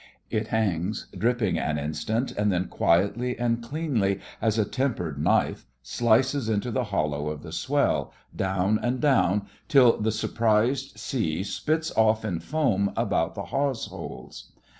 It hangs dripping an instant, then, quietly and cleanly as a tempered knife, slices into the hollow of the swell, down and down till the surprised sea spits off in foam about the hawse holes.